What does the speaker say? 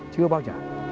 chưa bao giờ